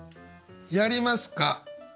やりますか？